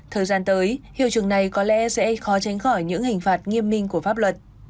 thời gian tới hiệu trường này có lẽ sẽ khó tránh khỏi những hình phạt nghiêm minh của pháp luật